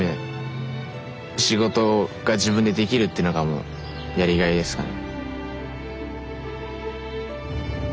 仕事が自分でできるっていうのがもうやりがいですかね。